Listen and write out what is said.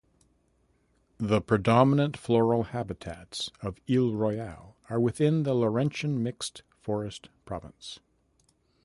The predominant floral habitats of Isle Royale are within the Laurentian Mixed Forest Province.